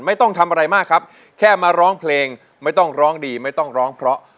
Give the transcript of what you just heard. ไม่ต้องทำอะไรมากครับแค่มาร้องเพลงไม่ต้องร้องดีไม่ต้องร้องเพราะ